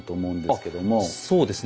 そうですね。